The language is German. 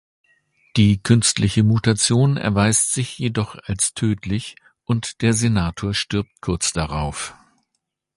Die künstliche Mutation erweist sich jedoch als tödlich, und der Senator stirbt kurz darauf.